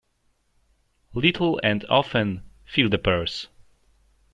Little and often fill the purse.